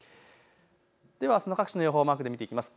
ではあすの各地の予想をマークで見ていきます。